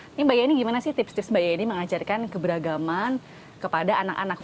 ini mbak yeni gimana sih tips tips mbak yeni mengajarkan keberagaman kepada anak anak